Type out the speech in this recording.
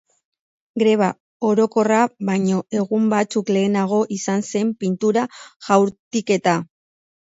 Greba orokorra baino egun batzuk lehenago izan zen pintura jaurtiketa.